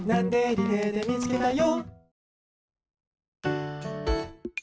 リレーでみつけたよ！」